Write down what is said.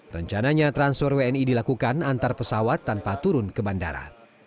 rencananya transfer wni dilakukan antar pesawat tanpa turun ke bandara